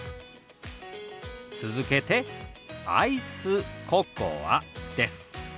続けて「アイスココア」です。